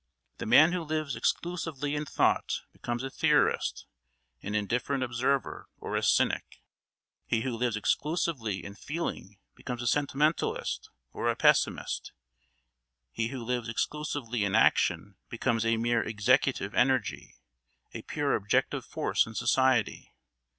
The man who lives exclusively in thought becomes a theorist, an indifferent observer, or a cynic; he who lives exclusively in feeling becomes a sentimentalist or a pessimist; he who lives exclusively in action becomes a mere executive energy, a pure objective force in society.